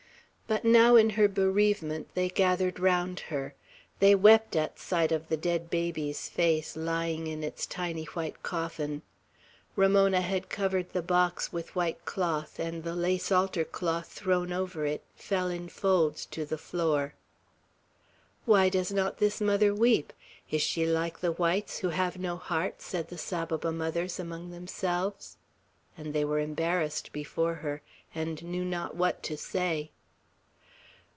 But now in her bereavement they gathered round her. They wept at sight of the dead baby's face, lying in its tiny white coffin. Ramona had covered the box with white cloth, and the lace altar cloth thrown over it fell in folds to the floor. "Why does not this mother weep? Is she like the whites, who have no heart?" said the Saboba mothers among themselves; and they were embarrassed before her, and knew not what to say.